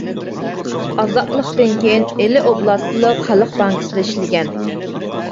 ئازادلىقتىن كېيىن ئىلى ئوبلاستلىق خەلق بانكىسىدا ئىشلىگەن.